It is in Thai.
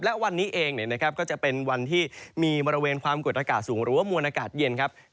และวันนี้เองก็จะเป็นวันที่มีบริเวณความกดอากาศสูงหรือว่ามวลอากาศเย็นครับ